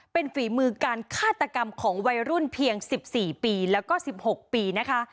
เป็นฝีมือการฆาตกรรมของวัยรุ่นเพียง๑๔ปีแล้วก็๑๖ปีนะคะ